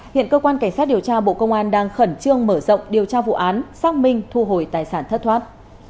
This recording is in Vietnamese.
hiện cơ quan cảnh sát điều tra bộ công an đang khẩn trương mở rộng điều tra vụ án xác minh thu hồi tài sản thất thoát